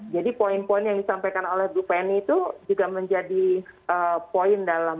jadi poin poin yang disampaikan oleh bu penny itu juga menjadi poin dalam